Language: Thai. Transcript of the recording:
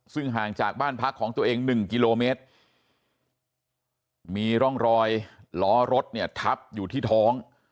ซึ่งห่างจากบ้านพักของตัวเอง๑กิโลเมตรมีร่องรอยล้อรถเนี่ยทับอยู่ที่ท้อง